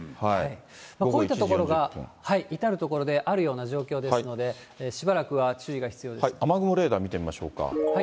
こういった所が至る所であるような状況ですので、雨雲レーダー見てみましょうか。